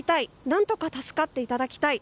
何とか助かっていただきたい。